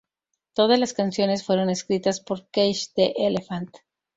Todas las canciones fueron escritas por Cage the Elephant.